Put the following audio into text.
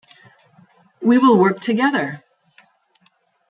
We will work together!